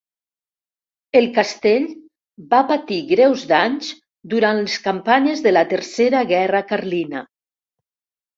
El castell va patir greus danys durant les campanyes de la Tercera guerra carlina.